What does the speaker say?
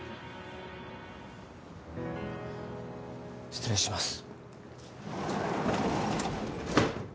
失礼します。